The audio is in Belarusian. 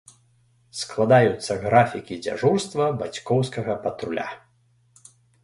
Складаюцца графікі дзяжурства бацькоўскага патруля.